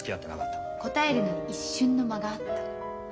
答えるのに一瞬の間があった。